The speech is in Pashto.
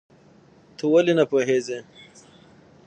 ته ولې نه پوهېږې؟